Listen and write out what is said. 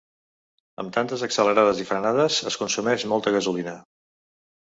Amb tantes accelerades i frenades es consumeix molta gasolina.